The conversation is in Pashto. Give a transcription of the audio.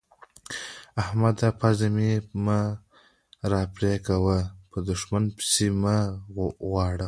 احمده! پزه مې مه راپرې کوه؛ به دوښمنه پيسې مه غواړه.